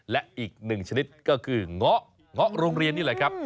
และอีกหนึ่งชนิดก็คือเงาะเงาะโรงเรียนนี่แหละครับ